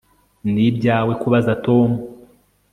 Ni ibyawe kubaza Tom